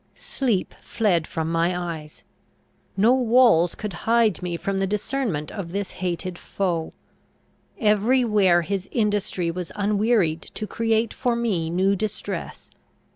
Sleep fled from my eyes. No walls could hide me from the discernment of this hated foe. Every where his industry was unwearied to create for me new distress.